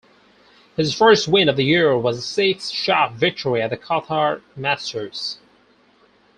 His first win of the year was a six-shot victory at the Qatar Masters.